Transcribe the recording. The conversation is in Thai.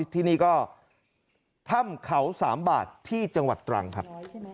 ที่นี่ก็ถ้ำเขาสามบาทที่จังหวัดตรังครับ